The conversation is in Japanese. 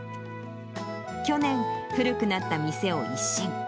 去年、古くなった店を一新。